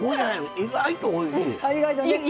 意外とおいしい。